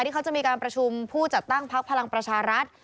ที่เขาจะมีการประชุมผู้จัดตั้งพักพลังประชารัฐ